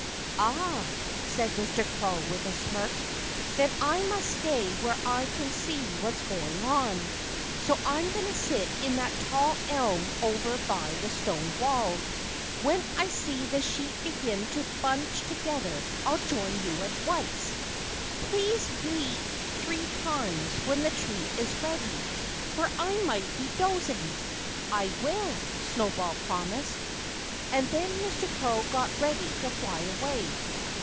"Ah!" said Mr. Crow with a smirk. "Then I must stay where I can see what's going on. So I'm going to sit in that tall elm over by the stone wall. When I see the sheep begin to bunch together I'll join you at once. ... Please bleat three times when the treat is ready, for I might be dozing." "I will," Snowball promised. And then Mr. Crow got ready to fly away.